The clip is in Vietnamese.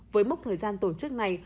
với mốc thời gian tổ chức này